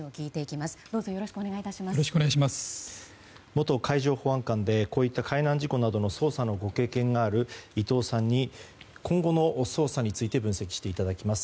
元海上保安監でこういった海難事故などでの捜査のご経験がある伊藤さんに今後の捜査について分析していただきます。